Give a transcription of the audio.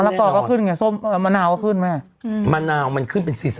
กอก็ขึ้นไงส้มมะนาวก็ขึ้นแม่มะนาวมันขึ้นเป็น๔๐